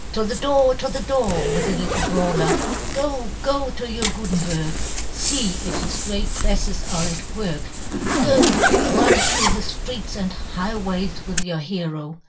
To the door, " to the door, with the little brawler !" Go, go, to your Gutenberg, fee if " his great prefles are at work ; go, " run through the ftreets and high " ways with your hero.